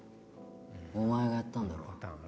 お前がやったんだろ？